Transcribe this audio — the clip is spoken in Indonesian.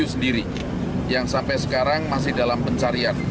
itu sendiri yang sampai sekarang masih dalam pencarian